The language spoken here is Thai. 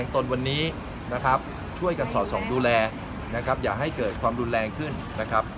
ตนวันนี้นะครับช่วยกันสอดส่องดูแลนะครับอย่าให้เกิดความรุนแรงขึ้นนะครับ